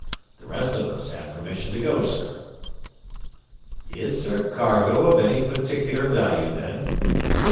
The rest of us have permission to go, sir." "Is her cargo of any particular value, then?"